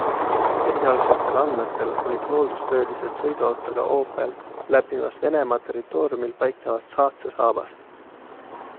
Esialgsetel andmetel olid hooldustöölised sõiduautoga Opel läbimas Venemaa territooriumil paiknevat Saatse saabast.